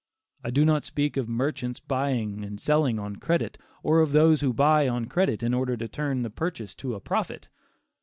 I do not speak of merchants buying and selling on credit, or of those who buy on credit in order to turn the purchase to a profit.